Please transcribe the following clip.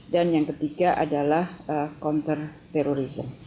dan yang ketiga adalah kontrterorisme